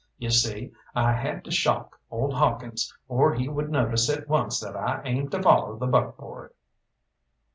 You see, I had to shock old Hawkins, or he would notice at once that I aimed to follow the buckboard.